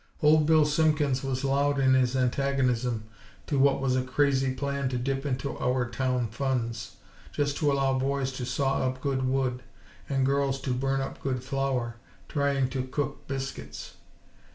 Old Bill Simpkins was loud in his antagonism to what was a "crazy plan to dip into our town funds just to allow boys to saw up good wood, and girls to burn up good flour, trying to cook biscuits."